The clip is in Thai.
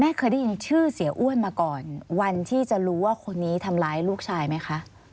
เคยได้ยินชื่อเสียอ้วนมาก่อนวันที่จะรู้ว่าคนนี้ทำร้ายลูกชายไหมคะ